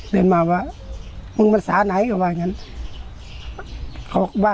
เดินมาว่ามึงภาษาไหนก็ว่างั้น